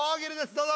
どうぞ。